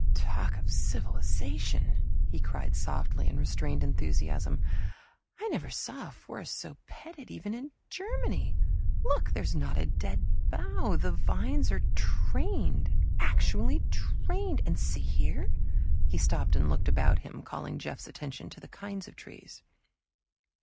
"Talk of civilization," he cried softly in restrained enthusiasm. "I never saw a forest so petted, even in Germany. Look, there's not a dead bough the vines are trained actually! And see here" he stopped and looked about him, calling Jeff's attention to the kinds of trees.